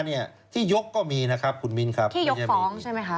ที่ยกก็มีนะครับคุณมินครับที่ยกฟ้องใช่ไหมครับ